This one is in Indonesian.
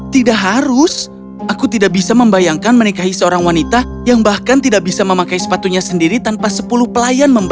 tidak harus aku tidak bisa membayangkan menikahi seorang wanita yang bahkan tidak bisa memakai sepatunya sendiri tanpa sepuluh pelayan